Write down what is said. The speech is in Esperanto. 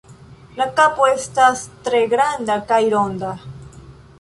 La kapo estas tre granda kaj ronda.